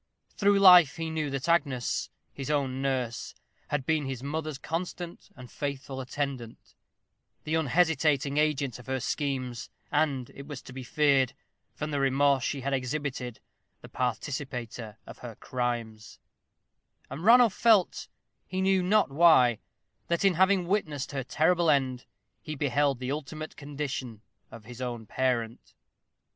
Through life he knew that Agnes, his own nurse, had been his mother's constant and faithful attendant; the unhesitating agent of her schemes, and it was to be feared, from the remorse she had exhibited, the participator of her crimes; and Ranulph felt, he knew not why, that in having witnessed her terrible end, he beheld the ultimate condition of his own parent.